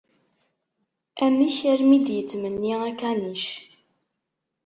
Amek armi i d-yettmenni akanic?